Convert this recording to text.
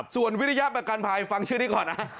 ส่วนวิทยาประกันภัยฟังชื่อนี้ก่อนนะ